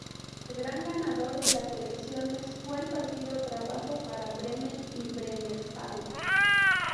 El gran ganador de las elecciones fue el partido Trabajo para Bremen y Bremerhaven.